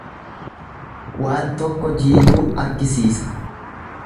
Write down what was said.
Waan tokko jiiluu argisiisa.